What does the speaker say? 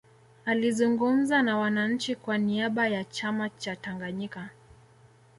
alizungumza na wananchi kwa niaba ya chama cha tanganyika